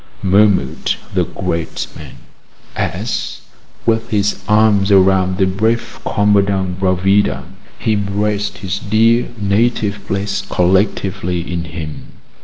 murmured the great man, as, with his arms around the brave Commandant Bravida, he embraced his dear native place collectively in him.